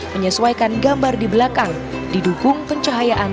menyesuaikan gambar di belakang didukung pencahayaan